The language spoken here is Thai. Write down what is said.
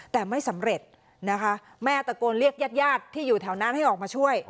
แต่ไม่สำเร็จนะคะแม่ตะโกนเรียกญาติญาติที่อยู่แถวนั้นให้ออกมาช่วย